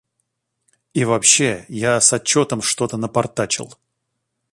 И вообще, я с отчетом что-то напортачил.